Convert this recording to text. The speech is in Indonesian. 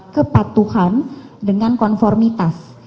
kepatuhan dengan konformitas